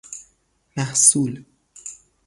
محصول